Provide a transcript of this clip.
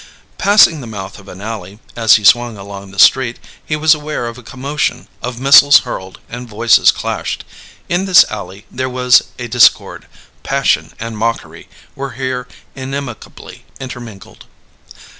Passing the mouth of an alley, as he swung along the street, he was aware of a commotion, of missiles hurled and voices clashed. In this alley there was a discord: passion and mockery were here inimically intermingled.